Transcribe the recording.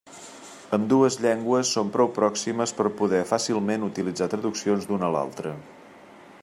Ambdues llengües són prou pròximes per a poder, fàcilment, utilitzar traduccions d'una a l'altra.